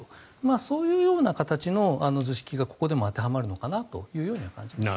そういうような形の図式がここでも当てはまるのかなと感じます。